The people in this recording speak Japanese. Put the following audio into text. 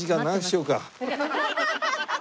アハハハ！